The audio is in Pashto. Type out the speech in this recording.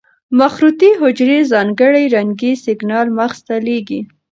مخروطې حجرې ځانګړي رنګي سېګنال مغز ته لېږي.